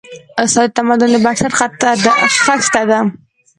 استاد د تمدن د بنسټ خښته ده.